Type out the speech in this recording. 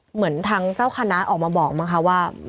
เหมือนทางเจ้าคณะออกมาบอกมั้งคะว่า